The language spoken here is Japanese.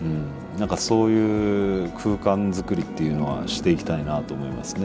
何かそういう空間づくりっていうのはしていきたいなと思いますね。